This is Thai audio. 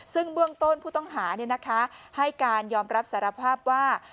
ซึ่งเบื้องต้นผู้ต้องหาให้การยอมรับสารภาพว่า